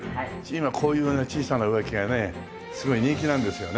今こういうね小さな植木がねすごい人気なんですよね。